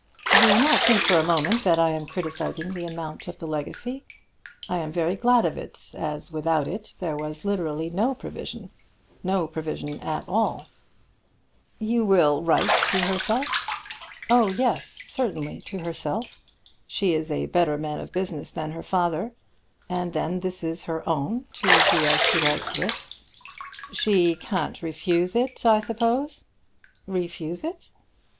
"Do not think for a moment that I am criticising the amount of the legacy. I am very glad of it, as, without it, there was literally no provision, no provision at all." "You will write to herself?" "Oh yes, certainly to herself. She is a better man of business than her father; and then this is her own, to do as she likes with it." "She can't refuse it, I suppose?" "Refuse it!"